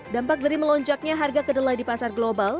dampak dari melonjaknya harga kedelai di pasar global